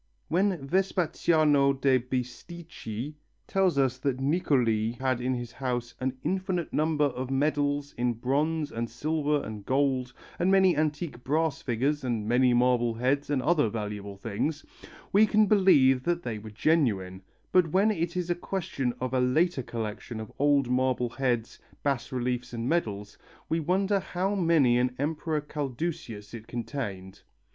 When Vespasiano da Bisticci tells us that Niccoli "had in his house an infinite number of medals in bronze and silver and gold, and many antique brass figures, and many marble heads, and other valuable things," we can believe that they were genuine, but when it is a question of a later collection of old marble heads, bas reliefs and medals, we wonder how many an Emperor Caldusius it contained.